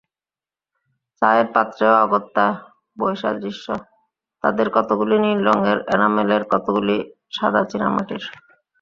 চায়ের পাত্রেও অগত্যা বৈসাদৃশ্য, তাদের কতকগুলি নীলরঙের এনামেলের, কতকগুলি সাদা চীনামাটির।